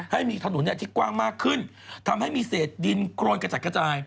ให้มีถนนที่กว้างมากขึ้นทำให้มีเศษดินโครนกระจัดกระจาย